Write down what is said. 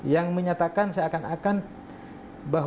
yang menyatakan seakan akan bahwa apa yang terjadi di surabaya